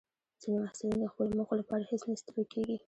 ځینې محصلین د خپلو موخو لپاره هیڅ نه ستړي کېږي.